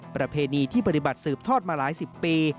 ประเพณีที่ปฏิบัติสืบทอดมาหลายสิบปี